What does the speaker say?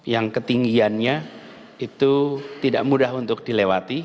yang ketinggiannya itu tidak mudah untuk dilewati